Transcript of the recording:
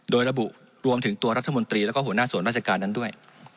โดยระบุรวมถึงตัวรัฐมนตรีแล้วก็หัวหน้าส่วนราชการนั้นด้วย